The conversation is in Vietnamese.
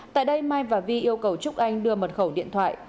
tại đây mai và vi yêu cầu trúc anh đưa mật khẩu điện thoại